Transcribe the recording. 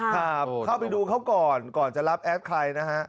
ครับเข้าไปดูเขาก่อนก่อนจะรับแอดใครนะฮะ